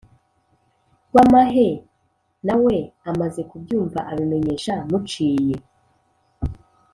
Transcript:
rwamahe na we amaze kubyumva abimenyesha muciye.